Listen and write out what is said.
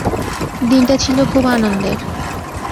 দিনটা ছিল খুব আনন্দের।